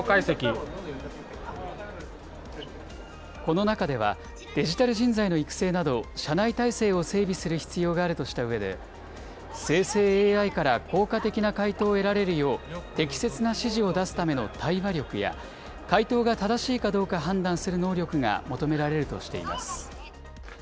この中では、デジタル人材の育成など社内体制を整備する必要があるとしたうえで、生成ＡＩから効果的な回答を得られるよう適切な指示を出すための対話力や、回答が正しいかどうか判断する能力が求められるとしています。